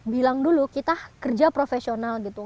bilang dulu kita kerja profesional gitu